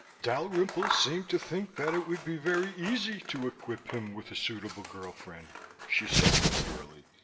"Dalrymple seemed to think that it would be very easy to equip him with a suitable girl friend," she said demurely.